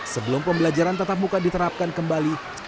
sebelum pembelajaran tetap muka diterapkan kembali